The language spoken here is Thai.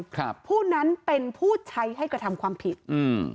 ครับผู้นั้นเป็นผู้ใช้ให้กระทำความผิดอืม